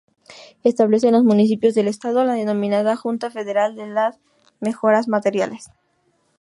Establece en los municipios del estado, la denominada "Junta Federal de Mejoras Materiales".